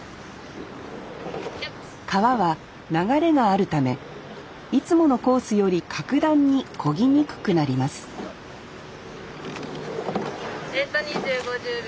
川は流れがあるためいつものコースより格段に漕ぎにくくなりますデータ２０５０秒。